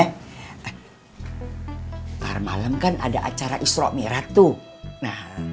ntar malem kan ada acara isrok merah tuh